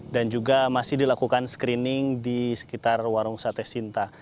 dan juga masih dilakukan screening di sekitar warung sate sinta